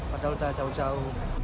padahal udah jauh jauh